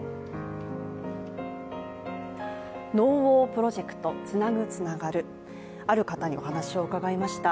「ＮＯＷＡＲプロジェクトつなぐ、つながる」ある方にお話を伺いました。